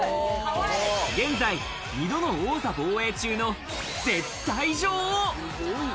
現在、２度の王座防衛中の絶対女王。